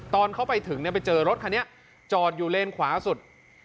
ตอนเข้าไปถึงไปเจอรถคันนี้จอดอยู่เลนขวาสุด